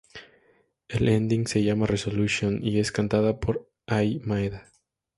El ending se llama "Resolution" y es cantada por Ai Maeda.